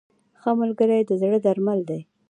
• ښه ملګری د زړه درمل دی.